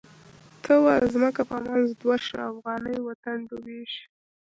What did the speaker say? ته وا ځمکه په منځ دوه شوه، افغانی وطن ډوبیږی